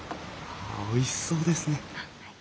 おいしそうですね。